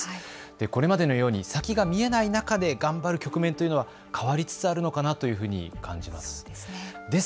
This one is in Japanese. これまでのように先が見えない中で頑張る局面というのは、変わりつつあるのかなというふうに感じます。